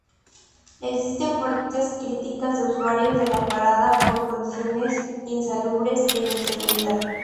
Existen fuertes críticas de usuarios de la parada por condiciones insalubres e inseguridad.